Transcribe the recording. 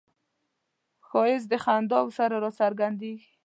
ښایست د خنداوو سره راڅرګندیږي